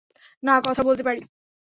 না, কথা বলতে পারি।